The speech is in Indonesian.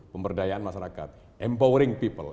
pemberdayaan masyarakat empowering people